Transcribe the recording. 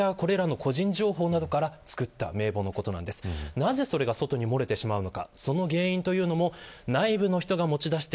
なぜ、それが外に漏れてしまうのか。